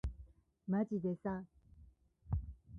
まじでさ